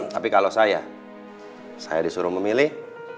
tapi kalau saya saya disuruh memilih